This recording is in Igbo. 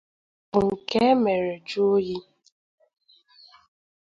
Ọ bụ nke e mere jụọ oyi